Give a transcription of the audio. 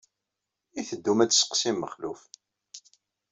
I teddum ad tesseqsim Mexluf?